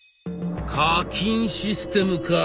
「課金システムか。